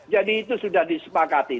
jadi itu sudah disepakati